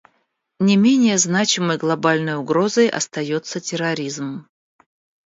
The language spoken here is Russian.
Не менее значимой глобальной угрозой остается терроризм.